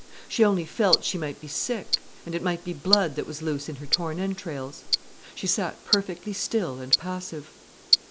She only felt she might be sick, and it might be blood that was loose in her torn entrails. She sat perfectly still and passive.